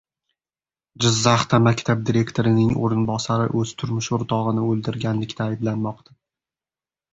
Jizzaxda maktab direktorining o‘rinbosari o‘z turmush o‘rtog‘ini o‘ldirganlikda ayblanmoqda